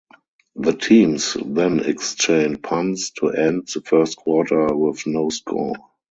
The teams then exchanged punts to end the first quarter with no score.